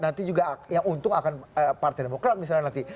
nanti juga yang untung akan partai demokrat misalnya nanti